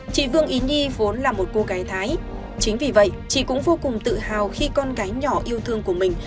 chị vương ý nhi vốn là một cô gái thái chính vì vậy chị cũng vô cùng tự hào khi con gái nhỏ yêu thương của mình